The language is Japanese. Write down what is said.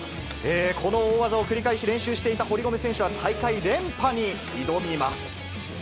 この大技を繰り返し練習していた堀米選手は大会連覇に挑みます。